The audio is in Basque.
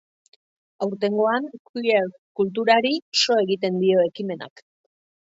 Aurtengoan queer kulturari so egiten dio ekimenak.